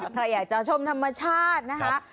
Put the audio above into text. ใครอยากชอบธรรมชาตินะครับ